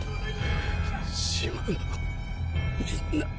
島のみんな。